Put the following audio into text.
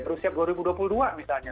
baru siap dua ribu dua puluh dua misalnya